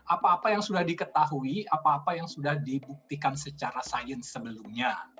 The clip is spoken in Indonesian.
apa apa yang sudah diketahui apa apa yang sudah dibuktikan secara sains sebelumnya